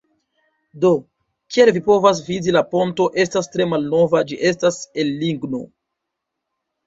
Do, kiel vi povas vidi la ponto estas tre malnova ĝi estas el ligno